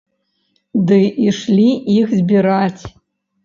Ды ішлі іх збіраць.